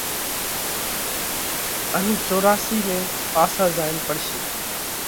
ان اُو چوراسي ۾ پاسا زائينَ پڙشي۔